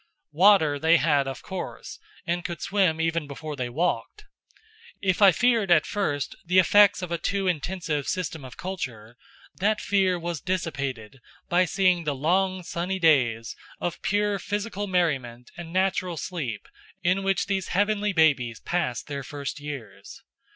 Water they had, of course, and could swim even before they walked. If I feared at first the effects of a too intensive system of culture, that fear was dissipated by seeing the long sunny days of pure physical merriment and natural sleep in which these heavenly babies passed their first years.